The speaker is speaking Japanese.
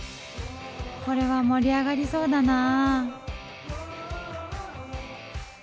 これは盛り上がりそうだなあ。